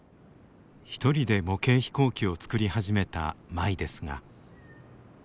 一人で模型飛行機を作り始めた舞ですが。